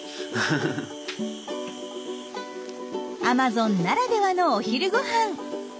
アマゾンならではのお昼ごはん。